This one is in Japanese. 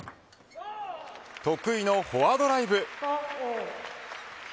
得意のフォアドライブ。